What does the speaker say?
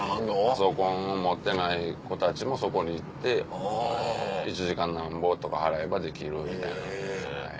パソコンを持ってない子たちもそこに行って１時間なんぼとか払えばできるみたいな。